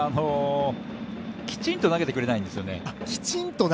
きちんと投げてくれないんですよね。